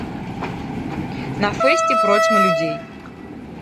На фэсце процьма людзей.